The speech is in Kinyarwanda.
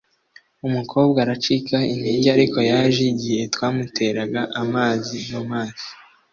umukobwa aracika intege, ariko yaje igihe twamuteraga amazi mumaso